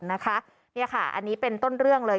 นี่ค่ะอันนี้เป็นต้นเรื่องเลย